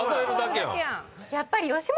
やっぱり。